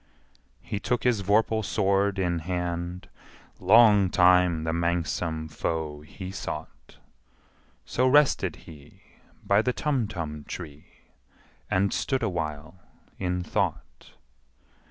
He took his vorpal sword in hand: Long time the manxome foe he sought So rested he by the Tumtum tree, And stood awhile in thought.